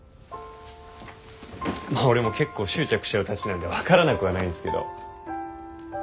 俺も結構執着しちゃうたちなんで分からなくはないんですけど。